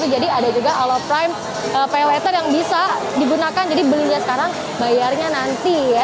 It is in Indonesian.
jadi ada juga alo prime paywater yang bisa digunakan jadi belinya sekarang bayarnya nanti ya